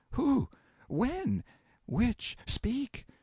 Who? When? Which? Speak!